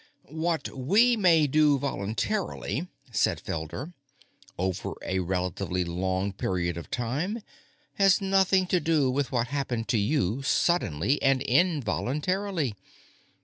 "What we may do voluntarily," said Felder, "over a relatively long period of time, has nothing to do with what happened to you suddenly and involuntarily.